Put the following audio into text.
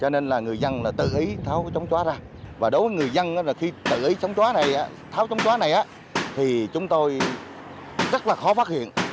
người dân tự ý tháo chống chói ra và đối với người dân khi tự ý tháo chống chói này thì chúng tôi rất là khó phát hiện